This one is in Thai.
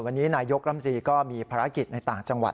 และนายยกลำดีก็มีภารกิจในต่างจังหวัด